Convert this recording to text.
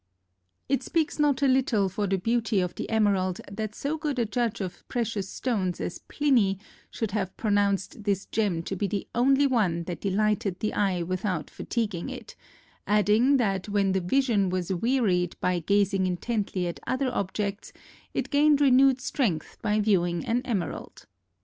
It speaks not a little for the beauty of the emerald that so good a judge of precious stones as Pliny should have pronounced this gem to be the only one that delighted the eye without fatiguing it, adding that when the vision was wearied by gazing intently at other objects, it gained renewed strength by viewing an emerald.